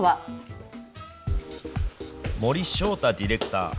森翔大ディレクター。